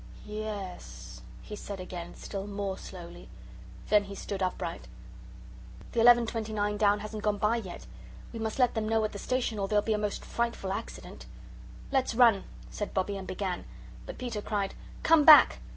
"Yes," he said again, still more slowly. Then he stood upright. "The 11.29 down hasn't gone by yet. We must let them know at the station, or there'll be a most frightful accident." "Let's run," said Bobbie, and began. But Peter cried, "Come back!"